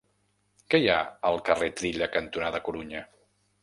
Què hi ha al carrer Trilla cantonada Corunya?